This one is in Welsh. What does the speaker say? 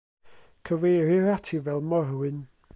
Cyfeirir ati fel morwyn.